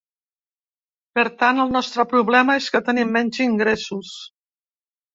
Per tant, el nostre problema és que tenim menys ingressos.